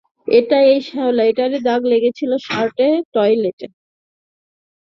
এটা, এই শেওলা, এটারই দাগ লেগেছিল শার্টে, টয়লেটে।